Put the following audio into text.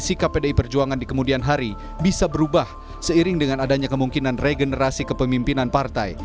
sikap pdi perjuangan di kemudian hari bisa berubah seiring dengan adanya kemungkinan regenerasi kepemimpinan partai